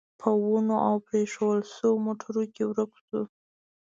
په ونو او پرېښوول شوو موټرو کې ورک شو.